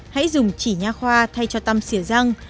hãy dùng chỉ nha khoa thay cho tăm xỉa răng